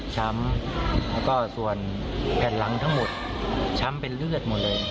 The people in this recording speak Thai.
ช้ำแล้วก็ส่วนแผ่นหลังทั้งหมดช้ำเป็นเลือดหมดเลย